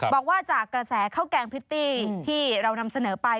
บอกว่าจากกระแสข้าวแกงพริตตี้ที่เรานำเสนอไป